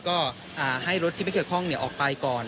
ก็ให้รถที่ไม่เกี่ยวข้องออกไปก่อน